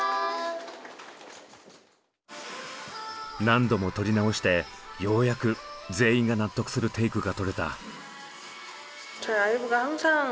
何度も撮り直してようやく全員が納得するテイクが撮れた。